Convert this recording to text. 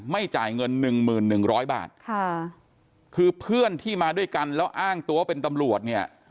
ไม่จ่ายเงิน๑หมื่น๑๐๐บาทคือเพื่อนที่มาด้วยกันแล้วอ้างตัวเป็นตำรวจเนี่ย